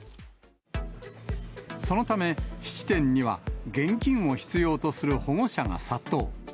そのため、質店には現金を必要とする保護者が殺到。